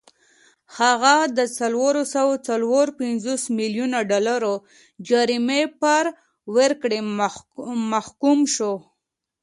هغه د څلور سوه څلور پنځوس میلیونه ډالرو جریمې پر ورکړې محکوم شو.